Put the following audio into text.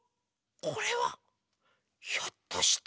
これはひょっとして。